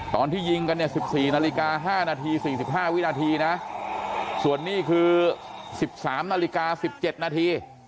ตอนที่ยิงกันเนี่ยสิบสี่นาฬิกาห้านาทีสี่สิบห้าวินาทีนะส่วนนี้คือสิบสามนาฬิกาสิบเจ็ดนาที